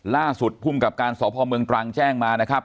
ล่าสุดภูมิกับการสพเมืองตรังแจ้งมานะครับ